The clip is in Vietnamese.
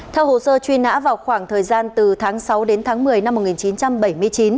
theo hồ sơ truy nã vào khoảng thời gian từ tháng sáu đến tháng một mươi năm một nghìn chín trăm bảy mươi chín